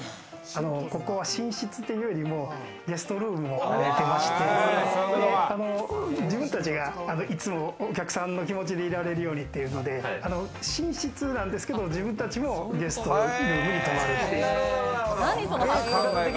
ここは寝室っていうよりも、ゲストルームを兼ねてまして、自分たちがいつもお客さんの気持ちでいられるようにって、寝室なんですけど、自分たちもゲストルームに泊まるって。